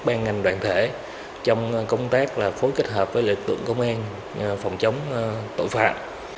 ban ngành đoàn thể trong công tác phối kết hợp với lợi tượng công an phòng chống tội phạm